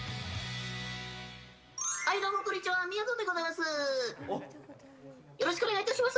はい、どうもこんにちは、みやぞんでございます。